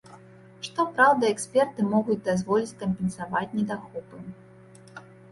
Што праўда, эксперты могуць дазволіць кампенсаваць недахопы.